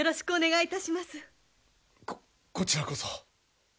ここちらこそ。